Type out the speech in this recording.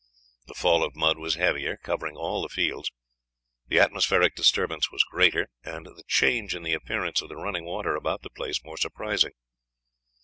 The fall of mud was heavier, covering all the fields; the atmospheric disturbance was greater, and the change in the appearance of the running water about the place more surprising.